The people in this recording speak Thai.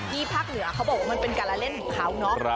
ภาคเหนือเขาบอกว่ามันเป็นการละเล่นของเขาเนาะ